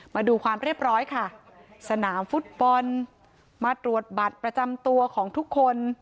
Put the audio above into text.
มาดูความเรียบร้อยค่ะสนามฟุตบอลมาตรวจบัตรประจำตัวของทุกคน